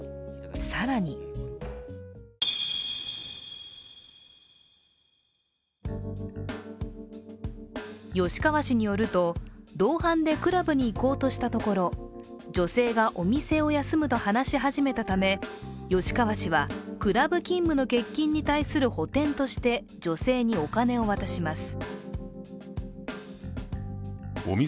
更に吉川氏によると、同伴でクラブに行こうとしたところ、女性がお店を休むと話し始めたため、吉川氏はクラブ勤務の欠勤に対する補填として女性にお金を渡します。